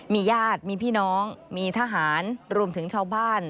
มีญาติมีพี่น้องมีทหารรวมถึงชาวบ้าน